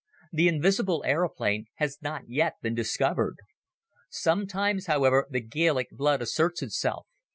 The invisible aeroplane has not yet been discovered. Sometimes, however, the Gaelic blood asserts itself.